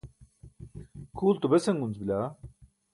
kʰuulto besan gunc bila